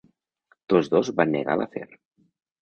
Tots dos van negar l'afer.